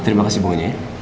terima kasih bukannya